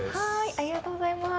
ありがとうございます。